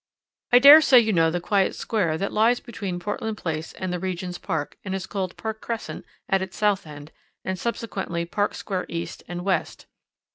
"I dare say you know the quiet square which lies between Portland Place and the Regent's Park and is called Park Crescent at its south end, and subsequently Park Square East and West.